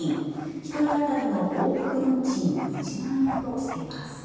１人当たりの往復運賃１万円としています。